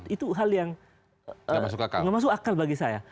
itu hal yang tidak masuk akal bagi saya